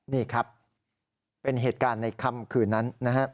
นี่ครับเป็นเหตุการณ์ในค่ำคืนนั้นนะฮะ